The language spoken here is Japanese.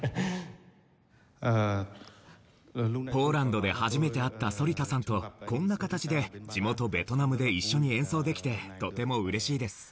ポーランドで初めて会った反田さんとこんな形で地元ベトナムで一緒に演奏できてとても嬉しいです。